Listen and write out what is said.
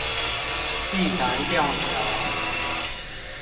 碧潭吊橋